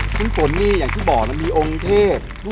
คุณฝนนี่อย่างที่บอกมีองค์เทพ